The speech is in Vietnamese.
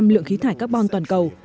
ba lượng khí thải carbon toàn cầu